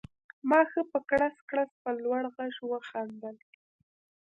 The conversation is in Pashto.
ما ښه په کړس کړس په لوړ غږ وخندل